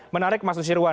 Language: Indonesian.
menarik mas dusirwan